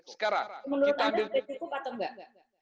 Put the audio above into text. menurut anda sudah cukup atau nggak